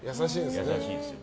優しいですよ。